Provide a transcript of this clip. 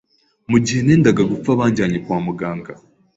mu gihe nendaga gupfa banjyanye kwa muganga